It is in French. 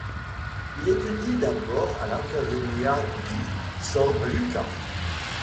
Il étudie d'abord à l'Accademia di San Luca.